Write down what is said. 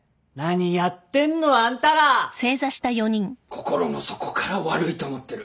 心の底から悪いと思ってる。